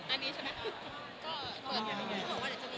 อันนี้ใช่ไหมครับ